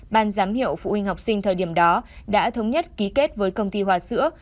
ban giám hiệu phụ huynh học sinh thời điểm đó đã thống nhất ký kết với công ty hòa sữa